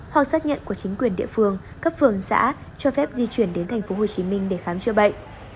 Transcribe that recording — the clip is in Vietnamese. hoặc xét nhận của chính quyền địa phương cấp phường xã cho phép di chuyển đến thành phố hồ chí minh để khám trưa bệnh